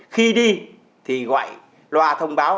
khi đi thì gọi loa thông báo